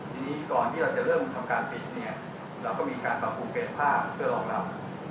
ทีนี้ก่อนที่เราจะเริ่มทำการปิดเนี่ยเราก็มีการปรับปรุงเฟสภาพเพื่อรองรับ